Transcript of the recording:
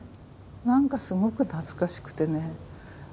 何かすごく懐かしくてね。